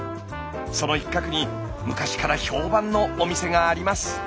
その一角に昔から評判のお店があります。